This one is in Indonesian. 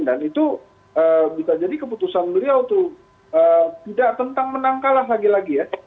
dan itu bisa jadi keputusan beliau tuh tidak tentang menang kalah lagi lagi ya